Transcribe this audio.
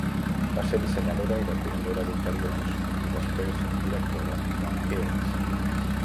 Va ser dissenyadora i decoradora d'interiors, i després directora de Heal's.